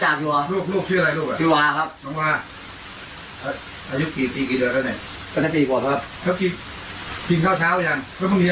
อายุกี่ปีกี่เดือนแล้วเนี่ย